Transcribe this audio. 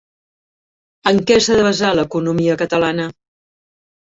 En què s'ha de basar l'economia catalana?